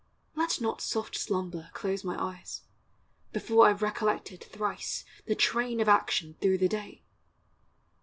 Let not soft slumber close my eyes, Before I 've recollected thrice The train of action through the day